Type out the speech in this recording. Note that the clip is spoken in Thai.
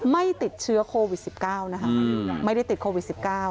ไม่ติดเชื้อโควิด๑๙นะคะไม่ได้ติดโควิด๑๙